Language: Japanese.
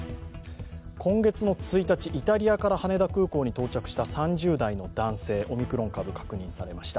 今月の１日、イタリアから羽田空港に到着した３０代の男性、オミクロン株確認されました。